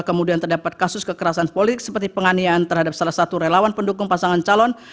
kemudian terdapat kasus kekerasan politik seperti penganiayaan terhadap salah satu relawan pendukung pasangan calon